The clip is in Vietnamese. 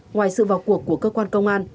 ngoài sự vào cuộc của cơ quan công an